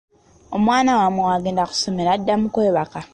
Omwana wammwe bw’agenda ku ssomero adda mu kwebaka.